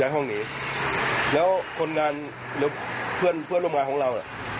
ย้ายห้องหนีแล้วคนงานร่วมร่วมงานของเรา